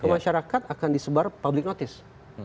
ke masyarakat akan disebar public notice